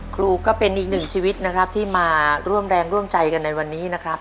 ครูก็เป็นอีกหนึ่งชีวิตนะครับที่มาร่วมแรงร่วมใจกันในวันนี้นะครับ